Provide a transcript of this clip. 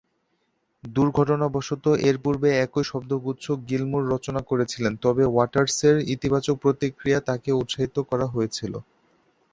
দুর্ঘটনাবশত এর পূর্বে একই শব্দগুচ্ছ গিলমোর রচনা করেছিলেন, তবে ওয়াটার্সের ইতিবাচক প্রতিক্রিয়া তাকে উৎসাহিত করা হয়েছিল।